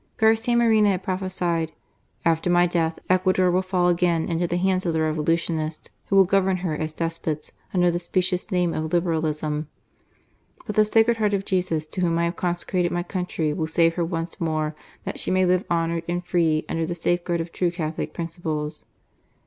Garcia Moreno had prophesied: "After my death, Ecuador will fall again into the hands of the Revolutionists, who will govern her as despots, under the specious name of Liberalism. But the Sacred Heart of Jesus, to Whom I have consecrated my country, will save her i 336 ECUADOR APTES GASCTA MOREHO once more, that she may live honoured and free^ under the safepuard of true Catholic principles."